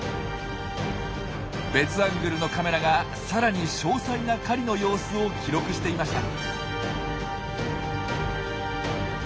別アングルのカメラがさらに詳細な狩りの様子を記録していました。